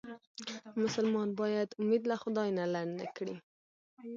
مسلمان باید امید له خدای نه لنډ نه کړي.